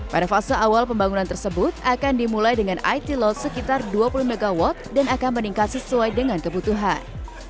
pada fase awal pembangunan tersebut akan dimulai dengan it load sekitar dua puluh mw dan akan meningkat sesuai dengan kebutuhan